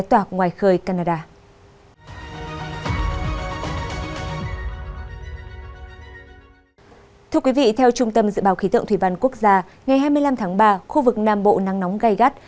thưa quý vị theo trung tâm dự báo khí tượng thủy văn quốc gia ngày hai mươi năm tháng ba khu vực nam bộ nắng nóng gai gắt